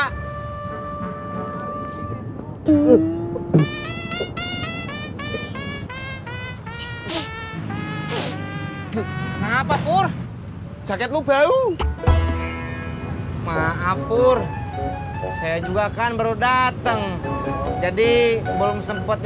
kenapa pur jaket lu bau maaf pur saya juga kan baru dateng jadi belum sempet